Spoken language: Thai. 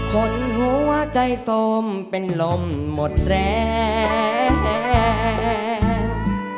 หัวใจสมเป็นลมหมดแรง